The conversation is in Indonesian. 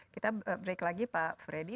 kita break lagi pak freddy